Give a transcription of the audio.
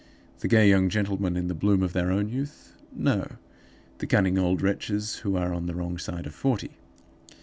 The gay young gentlemen in the bloom of their own youth? No! The cunning old wretches who are on the wrong side of forty.